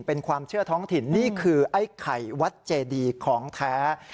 เป็นความเชื่อท้องถิ่นนี่คือไอ้ไข่วัดเจดีของแท้